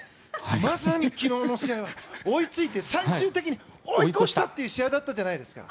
まさに昨日の試合は追いついて、最終的に追い越したという試合だったじゃないですか。